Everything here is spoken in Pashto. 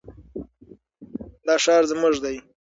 دا ښار زموږ دی.